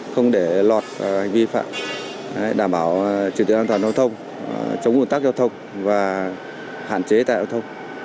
không để lọt hành vi vi phạm đảm bảo trực tiếp an toàn giao thông chống nguồn tắc giao thông và hạn chế tại giao thông